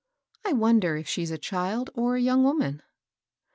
"I wonder if she's a child or a young woman."